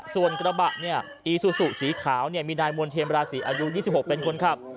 ส่วนกระบะอีซูซุสีขาวมีนายมวลเทมราศีอายุ๒๖เป็นคนครับ